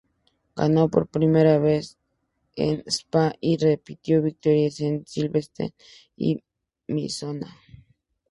Ganó por primera vez en Spa, y repitió victoria en Silverstone y Misano.